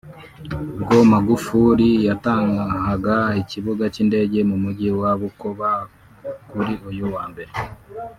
ubwo Magufuli yatahaga ikibuga cy’indege mu Mujyi wa Bukoba kuri uyu wa Mbere